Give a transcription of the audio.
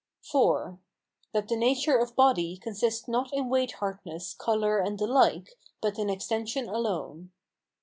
IV. That the nature of body consists not in weight hardness, colour and the like, but in extension alone.